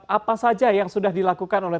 apa saja yang sudah dilakukan oleh